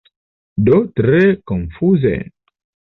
Do tre konfuze.